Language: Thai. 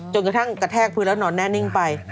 กระทั่งกระแทกพื้นแล้วนอนแน่นิ่งไป